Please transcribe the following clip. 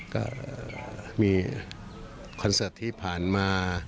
ก็มีคอนเสิร์ตที่ผ่านมา